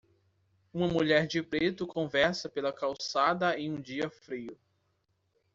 Uma mulher de preto conversa pela calçada em um dia frio.